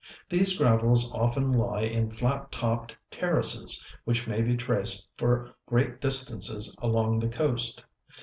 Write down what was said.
These gravels often lie In flat topped terraces which may be traced for great distances along the coast.